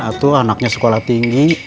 atau anaknya sekolah tinggi